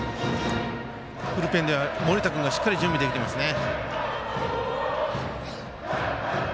ブルペンでは盛田君がしっかり準備できていますね。